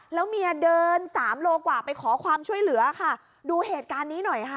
แล้วเมียเดินสามโลกว่าไปขอความช่วยเหลือค่ะดูเหตุการณ์นี้หน่อยค่ะ